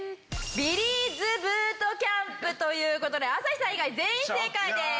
ビリーズブートキャンプという事で朝日さん以外全員正解です。